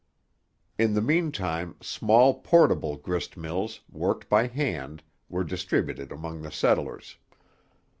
In the meantime small portable grist mills, worked by hand, were distributed among the settlers.